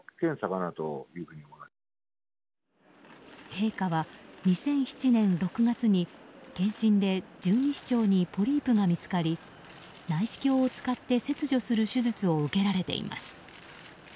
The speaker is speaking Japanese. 陛下は２００７年６月に検診で十二指腸にポリープが見つかり内視鏡を使って切除する手術を受けられています。